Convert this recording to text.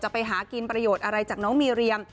ไปหากินประโยชน์อะไรจากน้องมีเรียม